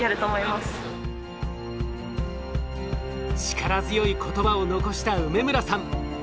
力強い言葉を残した梅村さん。